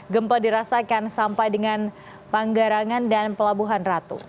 gempa dirasakan sampai dengan panggarangan dan pelabuhan ratu